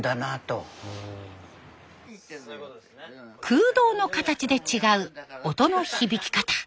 空洞の形で違う音の響き方。